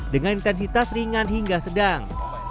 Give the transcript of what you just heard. dengan intensitas ringan hingga sedang